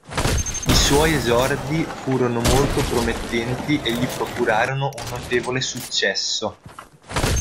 I suoi esordi furono molto promettenti e gli procurarono un notevole successo.